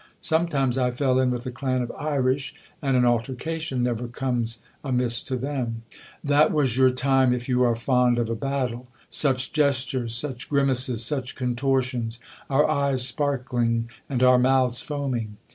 Sometimes I fell in with a clan of Irish, and an altercation never comes amiss to them ! That was your time, if you are fond of a battle. Such gestures ! such grimaces ! such contortions ! Our eyes sparkling, and our mouths foaming